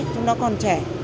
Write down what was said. chúng nó còn trẻ